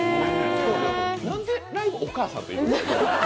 なんでライブ、お母さんと行くの？